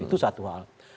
itu satu hal